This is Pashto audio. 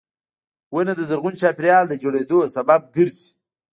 • ونه د زرغون چاپېریال د جوړېدو سبب ګرځي.